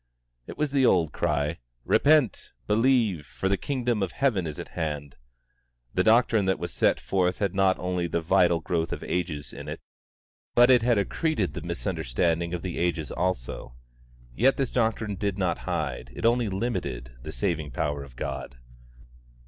It was the old cry: "Repent, believe; for the kingdom of heaven is at hand." The doctrine that was set forth had not only the vital growth of ages in it, but it had accreted the misunderstanding of the ages also; yet this doctrine did not hide, it only limited, the saving power of God.